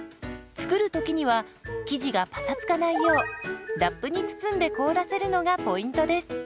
作る時には生地がパサつかないようラップに包んで凍らせるのがポイントです。